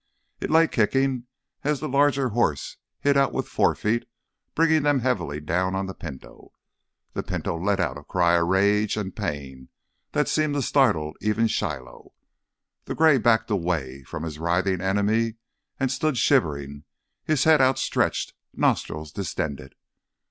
It lay kicking as the larger horse hit out with forefeet, bringing them heavily down on the Pinto. The Pinto let out a cry of rage and pain that seemed to startle even Shiloh. The gray backed away from his writhing enemy and stood shivering, his head outstretched, nostrils distended.